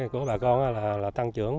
của bà con là tăng trưởng